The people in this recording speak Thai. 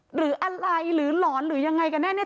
หรืออะไรหรือหลอนหรือยังไงกันแน่เนี่ย